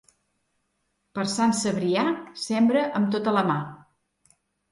Per Sant Cebrià, sembra amb tota la mà.